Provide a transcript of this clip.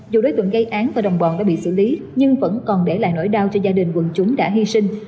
dù đối tượng gây án và đồng bọn đã bị xử lý nhưng vẫn còn để lại nỗi đau cho gia đình quần chúng đã hy sinh